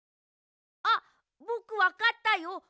あっぼくわかったよ。